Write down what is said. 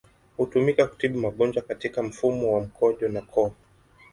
Hutumika kutibu magonjwa katika mfumo wa mkojo na koo.